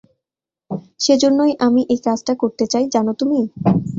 সেজন্যই আমি এই কাজটা করতে চাই, জানো তুমি?